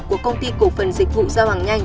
của công ty cổ phần dịch vụ giao hàng nhanh